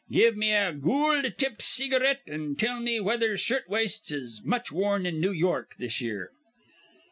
Give me a goold tipped cigareet, an' tell me whether shirt waists is much worn in New York this year.'